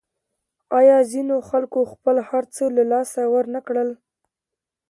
آیا ځینو خلکو خپل هرڅه له لاسه ورنکړل؟